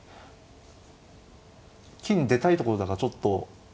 金出たいところだからちょっと。